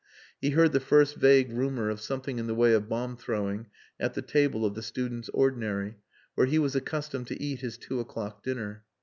He heard the first vague rumour of something in the way of bomb throwing at the table of the students' ordinary, where he was accustomed to eat his two o'clock dinner.